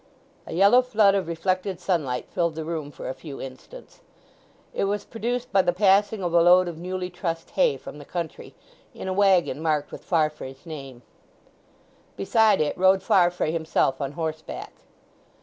A yellow flood of reflected sunlight filled the room for a few instants. It was produced by the passing of a load of newly trussed hay from the country, in a waggon marked with Farfrae's name. Beside it rode Farfrae himself on horseback.